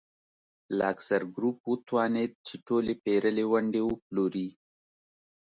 لاکزر ګروپ وتوانېد چې ټولې پېرلې ونډې وپلوري.